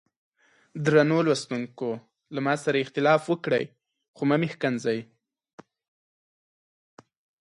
درنو لوستونکو له ما سره اختلاف وکړئ خو مه مې ښکنځئ.